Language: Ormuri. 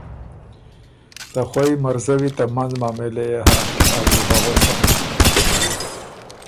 ” ته خوئ مرزوی ته منځ معامېلۀ يې هۀ، از بو خه غؤسم “